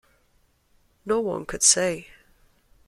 No one could say.